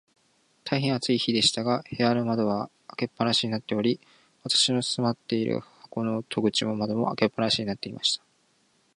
大へん暑い日でしたが、部屋の窓は開け放しになっており、私の住まっている箱の戸口も窓も、開け放しになっていました。